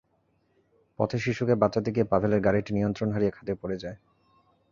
পথে শিশুকে বাঁচাতে গিয়ে পাভেলের গাড়িটি নিয়ন্ত্রণ হারিয়ে খাদে পড়ে যায়।